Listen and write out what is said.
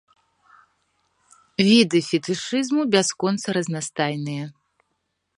Віды фетышызму бясконца разнастайныя.